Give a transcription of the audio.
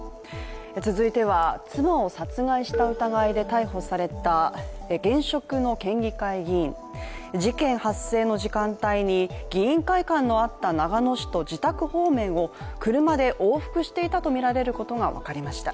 続いては、妻を殺害した疑いで逮捕された現職の県議会議員、事件発生の時間帯に議員会館のあった長野市と自宅方面を車で往復していたとみられることが分かりました。